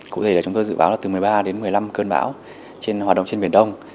cụ thể là chúng tôi dự báo là từ một mươi ba đến một mươi năm cơn bão trên hoạt động trên biển đông